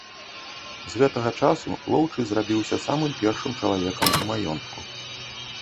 З гэтага часу лоўчы зрабіўся самым першым чалавекам у маёнтку.